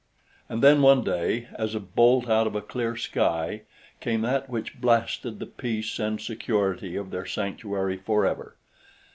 And then one day as a bolt out of a clear sky came that which blasted the peace and security of their sanctuary forever.